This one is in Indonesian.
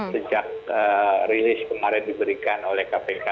sejak rilis kemarin diberikan oleh kpk